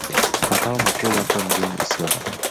Makao makuu yako mjini Isiolo.